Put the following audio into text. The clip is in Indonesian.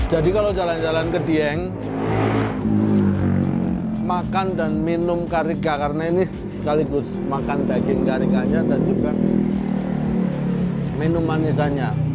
jadi kalau jalan jalan ke dieng makan dan minum karika karena ini sekaligus makan bagian karikanya dan juga minum manisanya